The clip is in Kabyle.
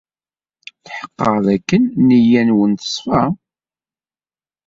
Tḥeqqeɣ dakken nneyya-nwen teṣfa.